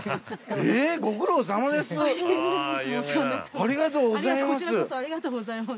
ありがとうございます。